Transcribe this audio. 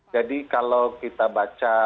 jadi kalau kita baca